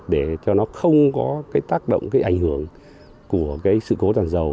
để cho nó không có cái tác động cái ảnh hưởng của cái sự cố tàn dầu